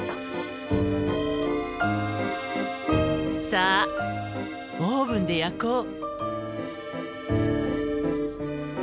さあオーブンで焼こう。